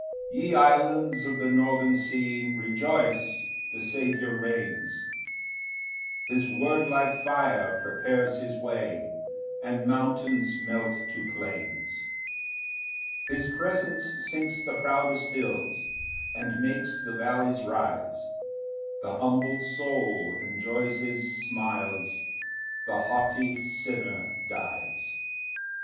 1 Ye islands of the northern sea, Rejoice, the Saviour reigns; His word like fire, prepares his way, And mountains melt to plains. 2 His presence sinks the proudest hills, And makes the vallies rise The humble soul enjoys his smiles, The haughty sinner dies.